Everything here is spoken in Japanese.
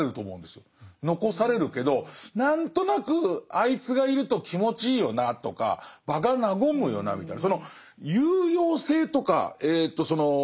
残されるけど何となくあいつがいると気持ちいいよなとか場が和むよなみたいな